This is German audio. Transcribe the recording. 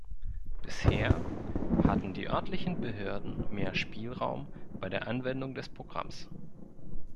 Bisher hatten die örtlichen Behörden mehr Spielraum bei der Anwendung des Programms.